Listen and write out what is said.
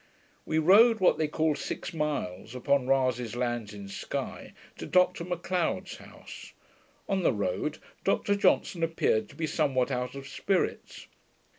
We rode what they call six miles, upon Rasay's lands in Sky, to Dr Macleod's house. On the road Dr Johnson appeared to be somewhat out of spirits.